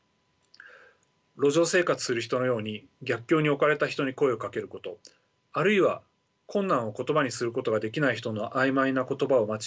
路上生活する人のように逆境に置かれた人に声をかけることあるいは困難を言葉にすることができない人の曖昧な言葉を待ち